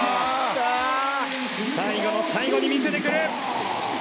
最後の最後に見せてくる！